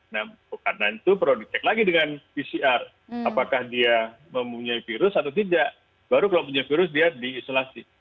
nah karena itu perlu dicek lagi dengan pcr apakah dia mempunyai virus atau tidak baru kalau punya virus dia diisolasi